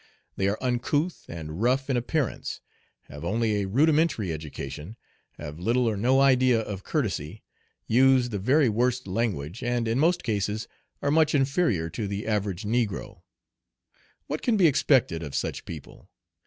They are uncouth and rough in appearance, have only a rudimentary education, have little or no idea of courtesy, use the very worst language, and in most cases are much inferior to the average negro. What can be expected of such people?